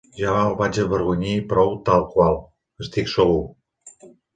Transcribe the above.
Ja el vaig avergonyir prou tal qual, estic segur.